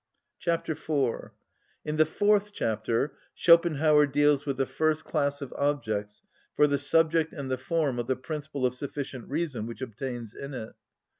Chapter IV. In the fourth chapter Schopenhauer deals with the first class of objects for the subject and the form of the principle of sufficient reason which obtains in it.